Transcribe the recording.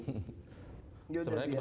sebenarnya kebetulan ya mereka ditertipin